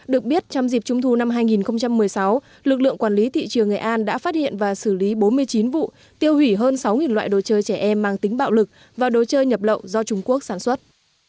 được biết trong dịp trung thu năm hai nghìn một mươi sáu lực lượng quản lý thị trường nghệ an đã phát hiện và xử lý bốn mươi chín vụ tiêu hủy hơn sáu loại đồ chơi trẻ em mang tính bạo lực và đồ chơi nhập lậu do trung quốc sản xuất